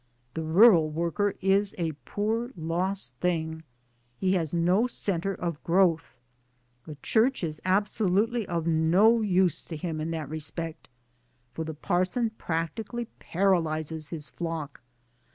The rural worker is a poor lost thing 1 ; he has no centre of growth. The Church is absolutely of no use to him in that respect ; for the Parson practically paralyses his flock.